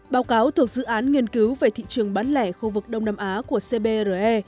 báo cáo thuộc dự án nghiên cứu về thị trường bán lẻ khu vực đông nam á của cbre